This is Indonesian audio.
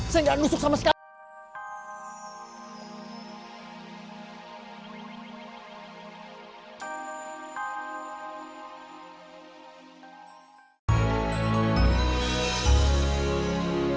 saya nggak nusuk sama sekali